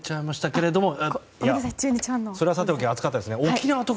それはさておき熱かったですね。